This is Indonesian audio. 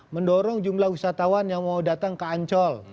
mendorong jumlah wisatawan yang mau datang ke ancol